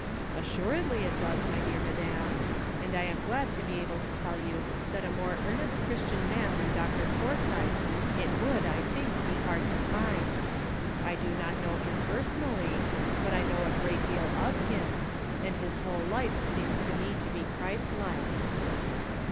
'* Assuredly it does, my dear madam, and I am glad to be able to tell you that a more ear nest Christian man than Dr. Forsythe it would, I think, be hard to find. I do not know him personally, but I know a great deal of him, and his whole life seems to me to be Christlike.'